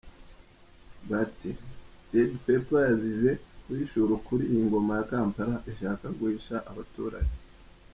Bati “Red Pepper yazize guhishura ukuri iyi ngoma ya Kampala ishaka guhisha abaturage.”